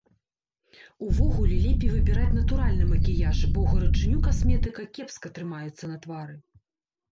Увогуле лепей выбіраць натуральны макіяж, бо ў гарачыню касметыка кепска трымаецца на твары.